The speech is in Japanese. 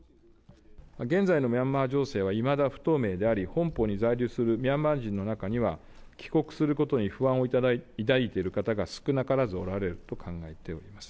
現在のミャンマー情勢はいまだ不透明であり、本邦に在留するミャンマー人の中には、帰国することに不安を抱いている方が少なからずおられると考えております。